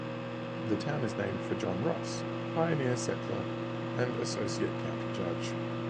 The town is named for John Ross, a pioneer settler and associate county judge.